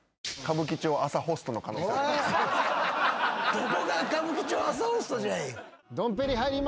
どこが歌舞伎町朝ホストじゃい！